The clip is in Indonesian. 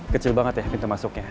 kecil banget ya pintu masuknya